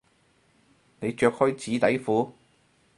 你着開紙底褲？